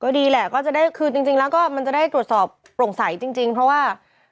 ดีแหละก็จะได้คือจริงแล้วก็มันจะได้ตรวจสอบโปร่งใสจริงเพราะว่า